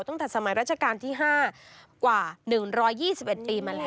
ตั้งแต่สมัยราชการที่๕กว่า๑๒๑ปีมาแล้ว